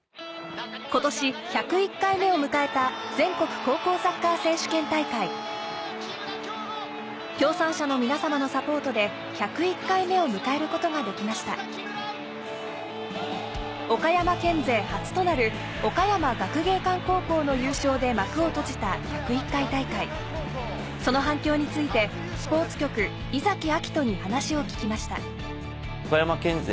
今年１０１回目を迎えた協賛者の皆さまのサポートで１０１回目を迎えることができました岡山県勢初となる岡山学芸館高校の優勝で幕を閉じた１０１回大会その反響についてスポーツ局伊晃人に話を聞きました岡山県勢